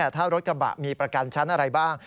ถ้ารถกระบะมีประกันชั้นอะไรบ้าง